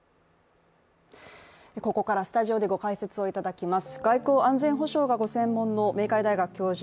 ここからスタジオでご解説をいただきます、外交・安全保障がご専門の明海大学教授